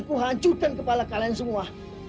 kau akan membutuhkan kepala kalian semua